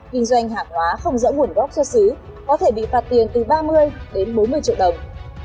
kinh doanh hạng hóa không dẫu nguồn gốc xuất xứ có thể bị phạt tiền từ ba mươi bốn mươi triệu đồng